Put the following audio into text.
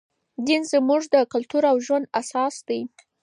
دین زموږ د کلتور او ژوند اساس دی.